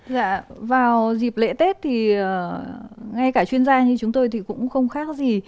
dạ vào dịp lễ tết thì ngay cả chuyên gia như chúng tôi thì cũng không khác gì